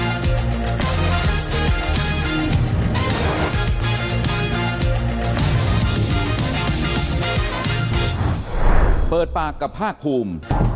มันเปิดปากกับผ้าคลุม